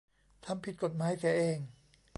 ทำผิดกฎหมายเสียเอง